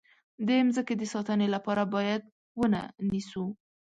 د مځکې د ساتنې لپاره باید ونه نیسو.